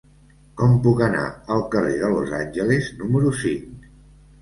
Com puc anar al carrer de Los Angeles número cinc?